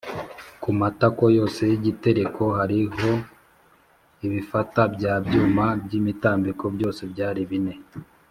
Ku matako yose y’igitereko hariho ibifata bya byuma by’imitambiko byose byari bine